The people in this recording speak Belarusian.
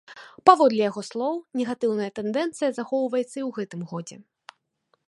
Паводле яго слоў, негатыўная тэндэнцыя захоўваецца і ў гэтым годзе.